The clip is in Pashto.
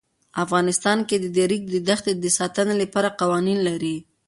افغانستان د د ریګ دښتې د ساتنې لپاره قوانین لري.